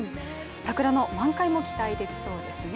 桜の満開も期待できそうですね。